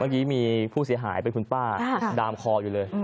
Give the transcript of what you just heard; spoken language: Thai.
เมื่อกี้มีผู้เสียหายเป็นคุณป้าดามคออยู่เลย